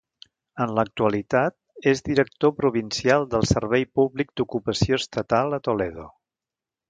En l'actualitat, és Director Provincial del Servei Públic d'Ocupació Estatal a Toledo.